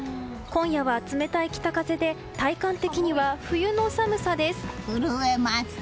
今夜は冷たい北風で、体感的には震えます。